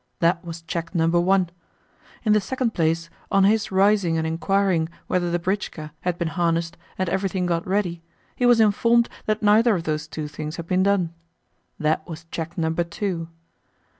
That was check number one. In the second place, on his rising and inquiring whether the britchka had been harnessed and everything got ready, he was informed that neither of those two things had been done. That was check number two.